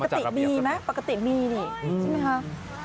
นี่ปกติมีไหมปกติมีดิใช่ไหมครับ